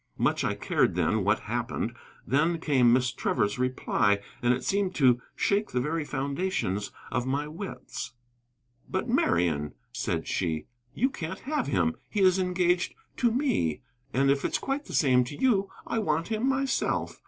Much I cared then what happened. Then came Miss Trevor's reply, and it seemed to shake the very foundations of my wits. "But, Marian," said she, "you can't have him. He is engaged to me. And if it's quite the same to you, I want him myself.